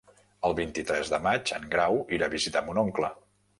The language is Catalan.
El vint-i-tres de maig en Grau irà a visitar mon oncle.